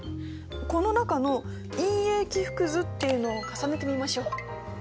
この中の「陰影起伏図」っていうのを重ねてみましょう。